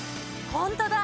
ホントだ！